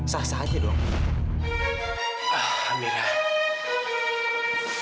jadi dia kuat dalam nilai satu